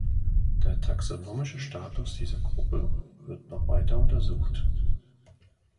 Der taxonomische Status dieser Gruppe wird noch weiter untersucht.